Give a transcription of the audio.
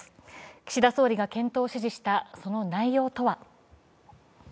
岸田総理が検討を指示したその内容とは。